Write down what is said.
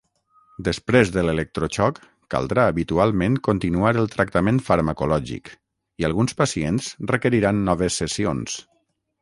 Després de l'electroxoc, caldrà habitualment continuar el tractament farmacològic, i alguns pacients requeriran noves sessions.